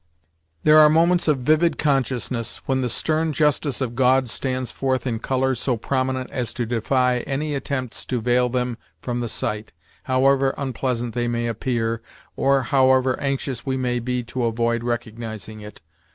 There are moments of vivid consciousness, when the stern justice of God stands forth in colours so prominent as to defy any attempts to veil them from the sight, however unpleasant they may appear, or however anxious we may be to avoid recognising it.